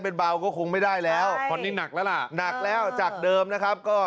เพราะว่าแม่